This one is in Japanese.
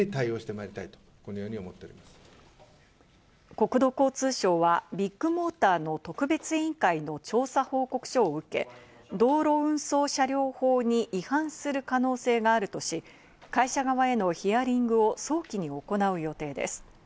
国土交通省はビッグモーターの特別委員会の調査報告書を受け、道路運送車両法に違反する可能性があるとし、会社側へのヒアリングを早期に行う予定です。